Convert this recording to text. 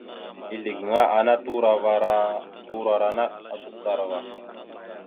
Ezle gaŋa ana turo ava turora naɗ adukətar ava.